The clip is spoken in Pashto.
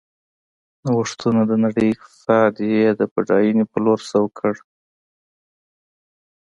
نوښتونو د نړۍ اقتصاد یې د بډاینې په لور سوق کړ.